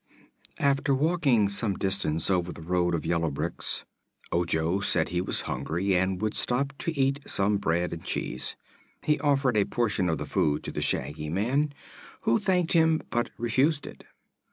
After walking some distance over the road of yellow bricks Ojo said he was hungry and would stop to eat some bread and cheese. He offered a portion of the food to the Shaggy Man, who thanked him but refused it.